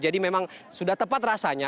jadi memang sudah tepat rasanya